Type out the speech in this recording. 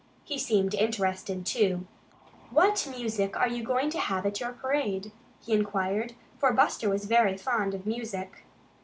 He seemed interested, too. "What music are you going to have at your parade?" he inquired, for Buster was very fond of music.